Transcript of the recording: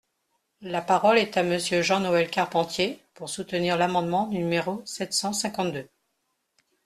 La parole est à Monsieur Jean-Noël Carpentier, pour soutenir l’amendement numéro sept cent cinquante-deux.